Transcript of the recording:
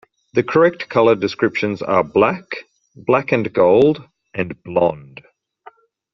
The correct color descriptions are black, black and gold, and blond.